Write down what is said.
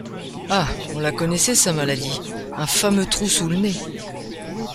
Ah ! on la connaissait, sa maladie : un fameux trou sous le nez !